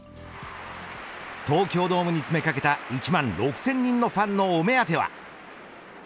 東京ドームに詰めかけた１万６０００人のファンのお目当ては。